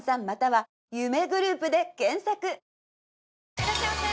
いらっしゃいませ！